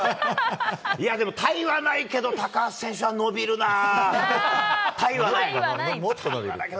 いやでも、他意はないけど、高橋選手は伸びるなぁ。